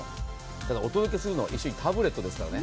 ただ、お届けするのは一緒にタブレットですからね。